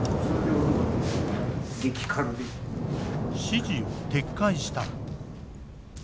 指示を撤回した。